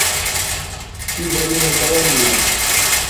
কুরুক্ষেত্র জেলা দুটি মহকুমা নিয়ে গঠিত।